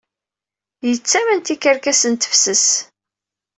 Yettamen tikerkas s tefses.